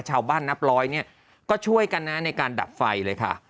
นับร้อยเนี่ยก็ช่วยกันนะในการดับไฟเลยค่ะ